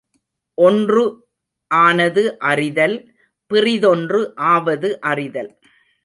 ஒன்று ஆனது அறிதல், பிறிதொன்று ஆவது அறிதல்.